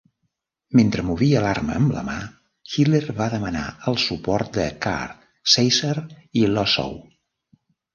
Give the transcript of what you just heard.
Mentre movia l'arma amb la mà, Hitler va demanar el suport de Kahr, Seisser i Lossow.